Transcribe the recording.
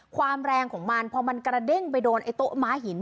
ความแรงของมันพอมันกระเด้งไปโดนไอ้โต๊ะม้าหิน